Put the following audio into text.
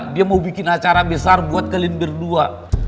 dia mau bikin acara besar buat kalian berdua